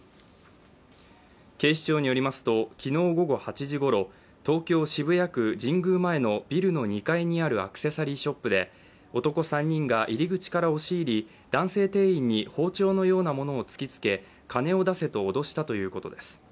警視庁によりますと、昨日午後８時ごろ東京・渋谷区神宮前のビルの２階にあるアクセサリーショップで男３人が入り口から押し入り男性店員に包丁のようなものを突きつけ、金を出せと脅したということです。